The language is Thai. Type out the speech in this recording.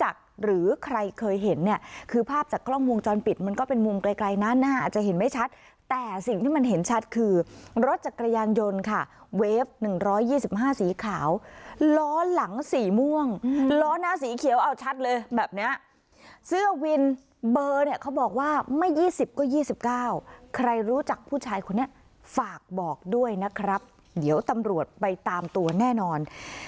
หรือใครเคยเห็นเนี่ยคือภาพจากกล้องวงจรปิดมันก็เป็นมุมไกลไกลนะหน้าอาจจะเห็นไม่ชัดแต่สิ่งที่มันเห็นชัดคือรถจักรยานยนต์ค่ะเวฟ๑๒๕สีขาวล้อหลังสีม่วงล้อหน้าสีเขียวเอาชัดเลยแบบเนี้ยเสื้อวินเบอร์เนี่ยเขาบอกว่าไม่๒๐ก็๒๙ใครรู้จักผู้ชายคนนี้ฝากบอกด้วยนะครับเดี๋ยวตำรวจไปตามตัวแน่นอน